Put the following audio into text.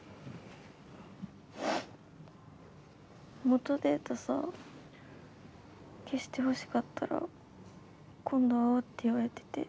元データさ消してほしかったら今度会おうって言われてて。